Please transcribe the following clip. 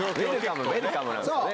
ウエルカムなんすね。